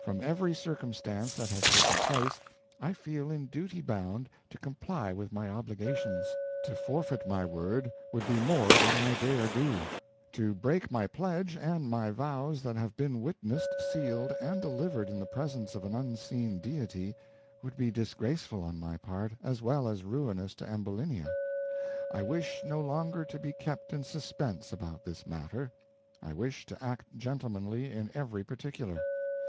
From every circumstance that has taken place, I feel in duty bound to comply with my obligations; to forfeit my word would be more than I dare do; to break my pledge, and my vows that have been witnessed, sealed, and delivered in the presence of an unseen Deity, would be disgraceful on my part, as well as ruinous to Ambulinia. I wish no longer to be kept in suspense about this matter. I wish to act gentlemanly in every particular.